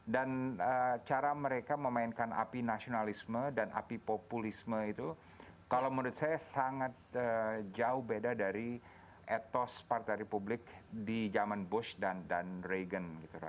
dan cara mereka memainkan api nasionalisme dan api populisme itu kalau menurut saya sangat jauh beda dari etos partai republik di zaman bush dan reagan